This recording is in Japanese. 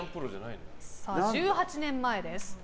さあ、１８年前です。